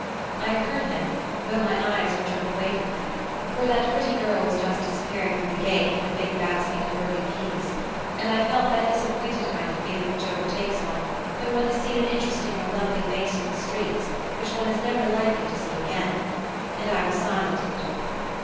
I heard him, though my eyes were turned away from him, for that pretty girl was just disappearing through the gate with her big basket of early peas, and I felt that disappointed kind of feeling which overtakes one when one has seen an interesting or lovely face in the streets which one is never likely to see again; and I was silent a little.